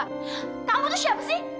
kamu tuh siapa sih